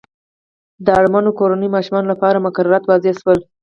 د اړمنو کورنیو ماشومانو لپاره مقررات وضع شول.